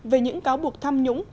về những cáo buộc tham nhũng